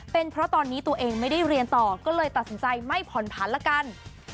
เป็นเพราะตอนนี้ตัวเองไม่ได้เรียนต่อก็เลยตัดสินใจไม่ผ่อนผันละกัน